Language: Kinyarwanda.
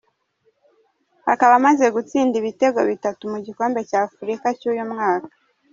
Akaba amaze gutsinda ibitego bitatu mu gikombe cy’Afurika cy’uyu mwaka.